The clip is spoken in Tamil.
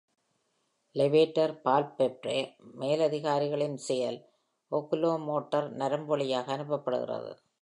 லெவேட்டர் பால்பெப்ரே மேலதிகாரிகளின் செயல் ஓகுலோமோட்டர் நரம்பு வழியாக அனுப்பப்படுகிறது.